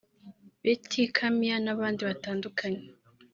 Beti Kamya n’abandi batandukanye